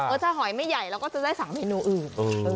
ถ้าหอยไม่ใหญ่เราก็จะได้๓เมนูอื่น